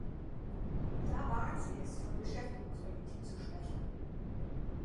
Und da wagen Sie es, von "Beschäftigungspolitik" zu sprechen!